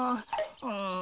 うん。